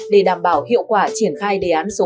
để đảm bảo hiệu quả triển khai đề án số sáu